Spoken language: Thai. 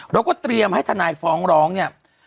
แล้วก็เตรียมให้ทนายฟ้องร้องเนี่ย